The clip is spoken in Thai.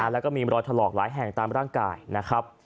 แล้วก็มีรอยถลอกหลายแห่งตามร่างกายนะครับ